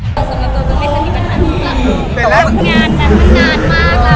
ตัวสำหรับตัวคุณแค่นี้เป็นน้ำตา